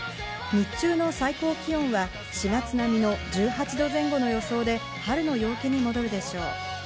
日中の最高気温は４月並みの１８度前後の予想で、春の陽気に戻るでしょう。